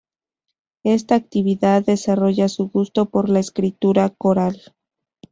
Esta actividad desarrolla su gusto por la escritura coral.